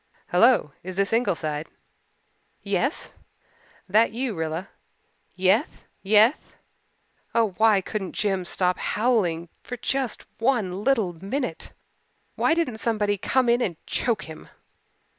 "Hello, is this Ingleside?" "Yes." "That you, Rilla?" "Yeth yeth." Oh, why couldn't Jims stop howling for just one little minute? Why didn't somebody come in and choke him?